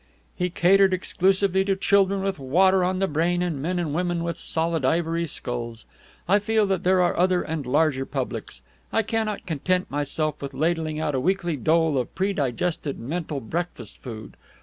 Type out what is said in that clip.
He catered exclusively to children with water on the brain and men and women with solid ivory skulls. I feel that there are other and larger publics. I cannot content myself with ladling out a weekly dole of predigested mental breakfast food.